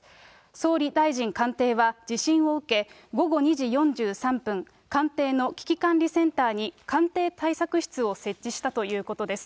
総理大臣官邸は地震を受け、午後２時４３分、官邸の危機管理センターに官邸対策室を設置したということです。